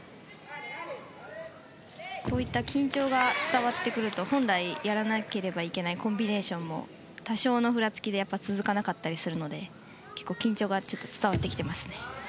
緊張が伝わってくると本来やらなければいけないコンビネーションも多少のふらつきで続かなかったりするので結構、緊張が伝わってきていますね。